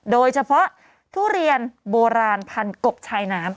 โดยเฉพาะทุเรียนโบราณพันกบชายน้ำ